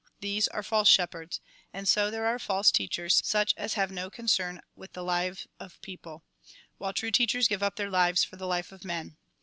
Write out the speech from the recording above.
These are false shepherds. And so there are false teachers, such as have no concern with the life of people ; while true teachers give up their lives for the life of men.